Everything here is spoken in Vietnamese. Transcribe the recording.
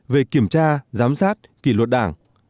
về kiểm tra giám sát kỷ luật đảng